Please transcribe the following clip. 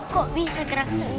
katanya ayah aku sih